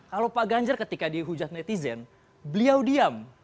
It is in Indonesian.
kalau pak ganjar ketika dihujat netizen beliau diam